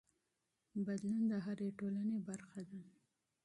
بدلون د هرې ټولنې برخه ده.